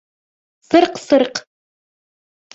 Сырҡ-сырҡ!